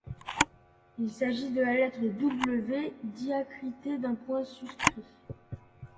Il s’agit de la lettre W diacritée d’un point suscrit.